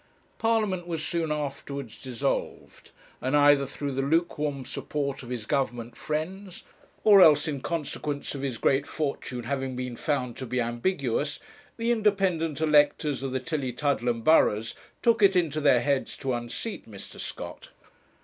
Parliament was soon afterwards dissolved, and either through the lukewarm support of his Government friends, or else in consequence of his great fortune having been found to be ambiguous, the independent electors of the Tillietudlem burghs took it into their heads to unseat Mr. Scott.